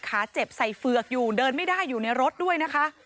ขาเจ็บใส่เฝือกอยู่เดินไม่ได้อยู่ในรถด้วยนะคะ